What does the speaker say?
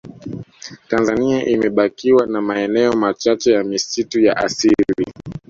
tanzania imebakiwa na maeneo machache ya misitu ya asili